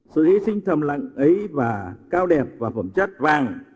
sự hy sinh thầm lặng ấy và cao đẹp và phẩm chất vàng